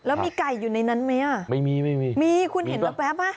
แล้วมีไก่อยู่ในนั้นไหมอ่ะไม่มีไม่มีมีคุณเห็นแว๊บอ่ะ